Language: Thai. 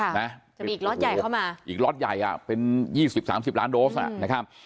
จะมีอีกล๊อตใหญ่เข้ามาอีกล๊อตใหญ่อ่ะเป็น๒๐๓๐ล้านโดรกซ์นะครับ